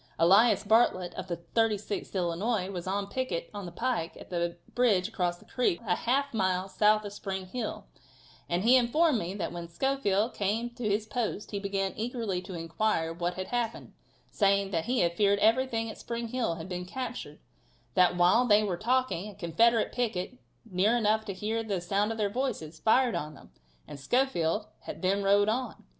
Elias Bartlett of the 36th Illinois, was on picket on the pike at the bridge across the creek a half mile south of Spring Hill, and he informed me that when Schofield came to his post he began eagerly to inquire what had happened, saying that he had feared everything at Spring Hill had been captured; that while they were talking, a Confederate picket, near enough to hear the sound of their voices, fired on them, and Schofield then rode on.